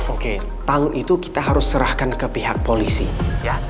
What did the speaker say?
oke palu itu kita harus serahkan ke pihak polisi ya